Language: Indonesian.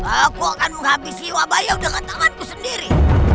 aku akan menghabisi wabaya dengan tanganku sendiri